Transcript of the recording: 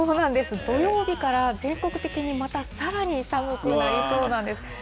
土曜日から全国的にまた、さらに寒くなりそうなんです。